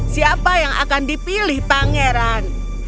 siapa yang akan dipilih pangeran